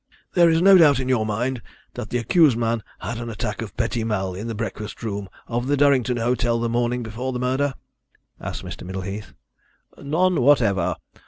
"There is no doubt in your mind that the accused man had an attack of petit mal in the breakfast room of the Durrington hotel the morning before the murder?" asked Mr. Middleheath. "None whatever.